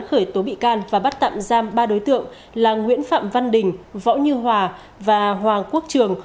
khởi tố bị can và bắt tạm giam ba đối tượng là nguyễn phạm văn đình võ như hòa và hoàng quốc trường